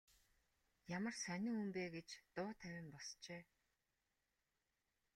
Ямар сонин хүн бэ гэж дуу тавин босжээ.